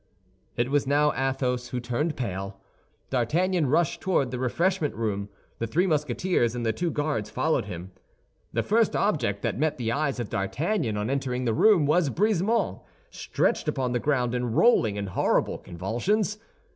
It was now Athos who turned pale. D'Artagnan rushed toward the refreshment room, the three Musketeers and the two Guards following him. The first object that met the eyes of D'Artagnan on entering the room was Brisemont, stretched upon the ground and rolling in horrible convulsions.